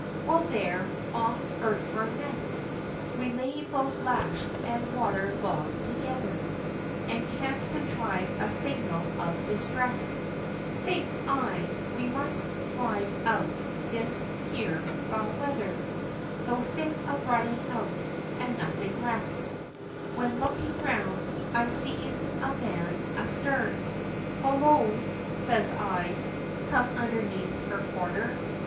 Well, there off Hertford Ness, We lay both lash'd and water logg'd together, And can't contrive a signal of distress; Thinks I, we must ride out this here foul weather, Tho' sick of riding out and nothing less; When, looking round, I sees a man a starn: Hollo! says I, come underneath her quarter!